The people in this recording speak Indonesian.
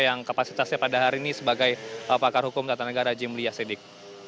yang kapasitasnya pada hari ini sebagai pakar hukum tata negara jimli yasidik